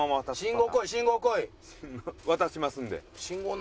渡しますんで。